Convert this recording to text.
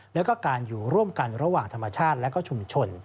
แล้วก็การอยู่ร่วมกันระหว่างธรรมชาติและก็ชุมชน